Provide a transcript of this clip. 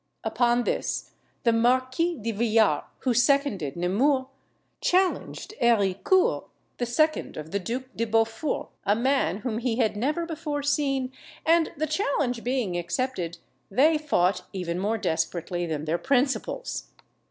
Upon this the Marquis de Villars, who seconded Nemours, challenged Héricourt, the second of the Duke de Beaufort, a man whom he had never before seen; and the challenge being accepted, they fought even more desperately than their principals.